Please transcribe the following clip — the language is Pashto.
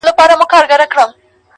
یوه شپه دي پر مزار باندي بلېږي؛